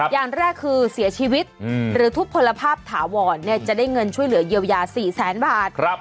อย่างแรกคือเสียชีวิตหรือทุบพลภาพถาวรจะได้เงินช่วยเหลือเยียวยา๔แสนบาท